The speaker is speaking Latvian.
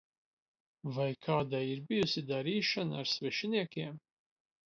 Vai kādai ir bijusi kāda darīšana ar svešiniekiem?